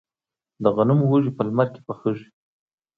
د غنمو وږي په لمر کې پخیږي.